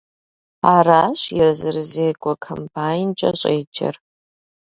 Аращ езырызекӀуэ комбайнкӀэ щӀеджэр.